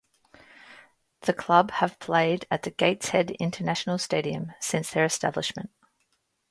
The club have played at the Gateshead International Stadium since their establishment.